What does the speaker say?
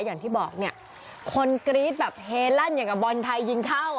อย่างที่บอกเนี่ยคนกรี๊ดแบบเฮลั่นอย่างกับบอลไทยยิงเข้า